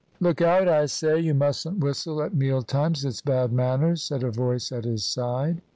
"Look out, I say; you mustn't whistle at meal times, it's bad manners," said a voice at his side.